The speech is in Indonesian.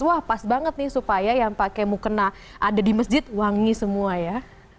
wah pas banget nih supaya yang pakai mukena ada di masjid wangi semua ya